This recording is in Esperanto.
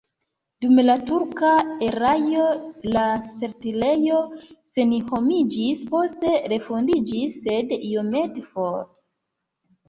Dum la turka erao la setlejo senhomiĝis, poste refondiĝis, sed iomete for.